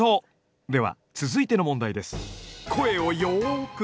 では続いての問題です。